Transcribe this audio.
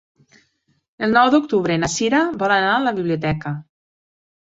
El nou d'octubre na Sira vol anar a la biblioteca.